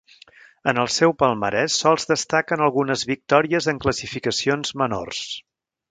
En el seu palmarès sols destaquen algunes victòries en classificacions menors.